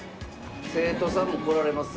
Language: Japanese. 生徒さんも来られます？